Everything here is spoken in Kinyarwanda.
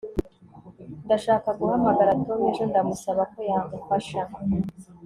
Ndashaka guhamagara Tom ejo ndamusaba ko yamufasha